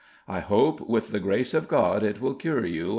I hope with the grace of God it will cure you," &c.